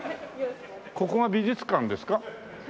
ここが美術館ですか？